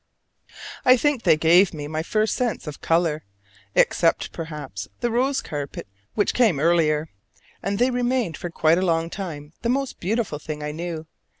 I think they gave me my first sense of color, except, perhaps, the rose carpet which came earlier, and they remained for quite a long time the most beautiful thing I knew.